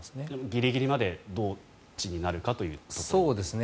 ギリギリまでどっちになるかということですか。